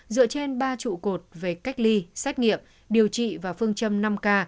dựa trên ba trụ cột về cách ly xét nghiệm điều trị và phương châm năm k